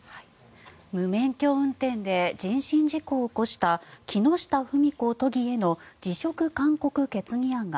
無免許運転で人身事故を起こした木下富美子都議への辞職勧告決議案が